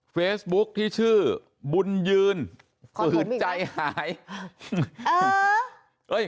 เฟซบุ๊คที่ชื่อบุญยืนฝืนใจหาย